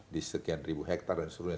di sekian ribu hektare dan sebagainya